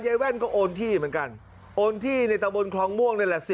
แว่นก็โอนที่เหมือนกันโอนที่ในตะบนคลองม่วงนี่แหละ